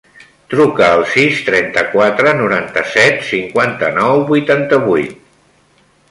Truca al sis, trenta-quatre, noranta-set, cinquanta-nou, vuitanta-vuit.